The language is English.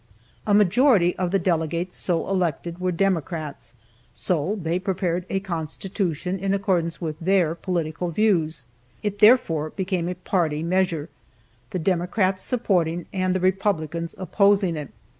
A majority of the delegates so elected were Democrats, so they prepared a Constitution in accordance with their political views. It therefore became a party measure, the Democrats supporting and the Republicans opposing it.